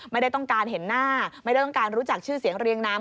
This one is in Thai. ไม่ได้ต้องการเห็นหน้าไม่ได้ต้องการรู้จักชื่อเสียงเรียงน้ำ